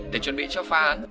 để chuẩn bị cho phá hẳn